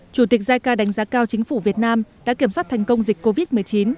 chủ tịch jica đánh giá cao chính phủ việt nam đã kiểm soát thành công dịch covid một mươi chín